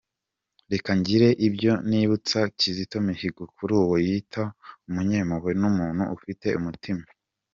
Reka ngire ibyo nibutsa Kizito Mihigo kuri uwo yita Umunyempuhwe n’Umuntu ufite Umutima!